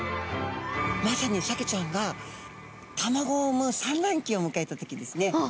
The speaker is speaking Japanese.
まさにサケちゃんが卵を産むさんらんきをむかえた時ですね。